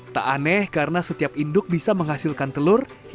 tak aneh karena setiap induk bisa menghasilkan telur